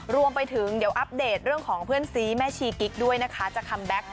รวมไปถึงเดี๋ยวอัปเดตเรื่องของเพื่อนซีแม่ชีกิ๊กด้วยนะคะจะคัมแบ็ค